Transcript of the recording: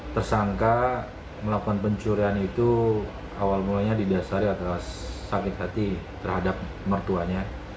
tersangka melakukan pencurian itu awal mulanya didasari atas sakit hati terhadap mertuanya